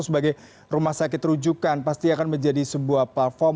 sebagai rumah sakit rujukan pasti akan menjadi sebuah platform